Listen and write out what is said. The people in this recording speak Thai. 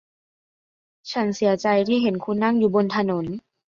ฉันเสียใจที่เห็นคุณนั่งอยู่บนถนน